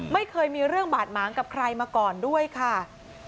ไม่เคยมีเรื่องบาดหมางกับใครมาก่อนด้วยค่ะ